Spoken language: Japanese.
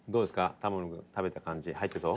玉森君食べた感じ、入ってそう？